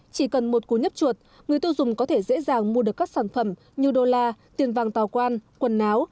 chỉ cần một cú nhấp chuột người tiêu dùng có thể dễ dàng mua được các sản phẩm như đô la tiền vàng tàu quan quần áo